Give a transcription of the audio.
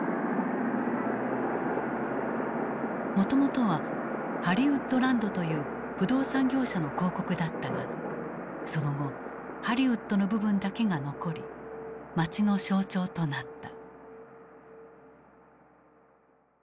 もともとは「ハリウッドランド」という不動産業者の広告だったがその後ハリウッドの部分だけが残り町の象徴となった。